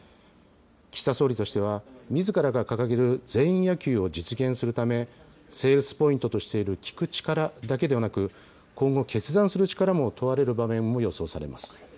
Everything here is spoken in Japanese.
岸田総理としては、みずからが掲げる全員野球を実現するため、セールスポイントとしている聞く力だけではなく、今後決断する力も問われる場面も予想されます。